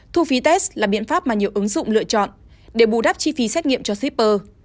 thu phí test là biện pháp mà nhiều ứng dụng lựa chọn để bù đắp chi phí xét nghiệm cho shipper